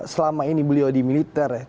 selama ini beliau di militer ya